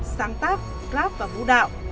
sáng tác rap và vũ đạo